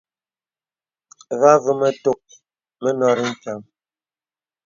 Vὰ àvə mə tòk mə nòrí mpiàŋ.